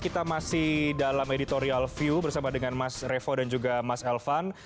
kita masih dalam editorial view bersama dengan mas revo dan juga mas elvan